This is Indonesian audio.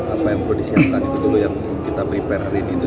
apa yang perlu disiapkan itu dulu yang kita prepare hari ini itu dulu